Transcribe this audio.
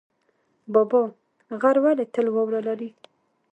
بابا غر ولې تل واوره لري؟